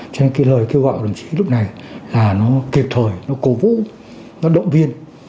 cho nên cái lời kêu gọi của đồng chí lúc này là nó kịp thời nó cố vũ nó động viên